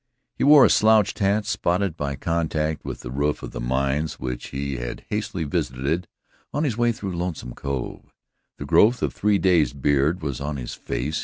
He wore a slouched hat spotted by contact with the roof of the mines which he had hastily visited on his way through Lonesome Cove. The growth of three days' beard was on his face.